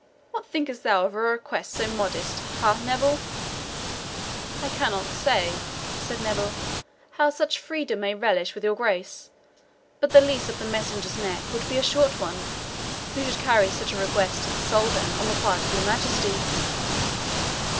What thinkest thou of a request so modest ha, Neville?" "I cannot say," said Neville, "how such freedom may relish with your Grace; but the lease of the messenger's neck would be a short one, who should carry such a request to the Soldan on the part of your Majesty."